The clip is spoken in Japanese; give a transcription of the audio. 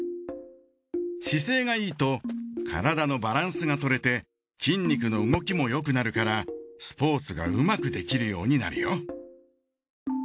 姿勢がいいと体のバランスがとれて筋肉の動きもよくなるからスポーツがうまくできるようになるよ。